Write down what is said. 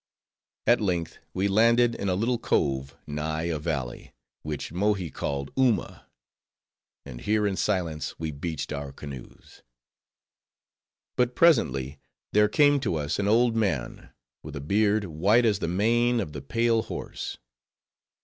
At length we landed in a little cove nigh a valley, which Mohi called Uma; and here in silence we beached our canoes. But presently, there came to us an old man, with a beard white as the mane of the pale horse.